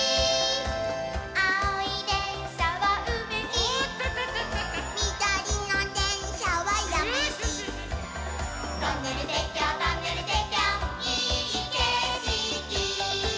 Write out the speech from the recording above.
「あおいでんしゃはうみゆき」「みどりのでんしゃはやまゆき」「トンネルてっきょうトンネルてっきょういいけしき」